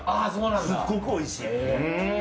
すっごくおいしい。